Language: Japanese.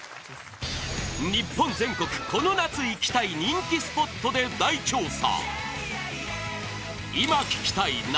日本全国この夏行きたい人気スポットで大調査！